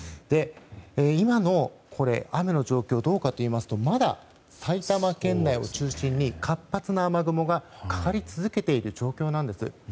今の雨の状況はどうかといいますとまだ埼玉県内を中心に活発な雨雲がかかり続けている状況なんです。